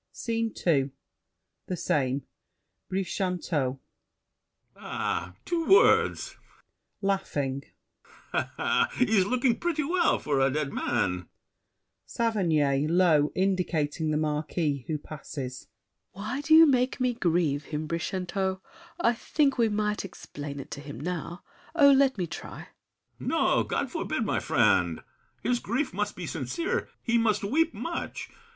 SCENE II The same. Brichanteau BRICHANTEAU. Ah! two words! He's looking pretty well for a dead man! SAVERNY (low, indicating The Marquis, who passes). Why do you make me grieve him, Brichanteau? I think we might explain it to him now. Oh, let me try. BRICHANTEAU. No; God forbid, my friend! His grief must be sincere; he must weep much.